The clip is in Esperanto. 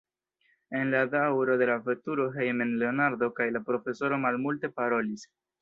En la daŭro de la veturo hejmen Leonardo kaj la profesoro malmulte parolis.